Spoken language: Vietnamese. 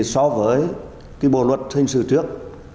đối với bộ luật hình sự trước